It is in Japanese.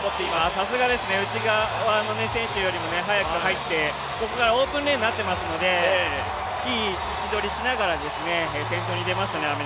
さすがですね、内側の選手よりも速く入って、ここからオープンレーンになっていますので、いい位置取りしながらアメリカが出ましたね。